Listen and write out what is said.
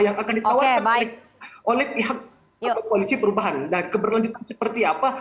yang akan ditawarkan oleh pihak atau koalisi perubahan dan keberlanjutan seperti apa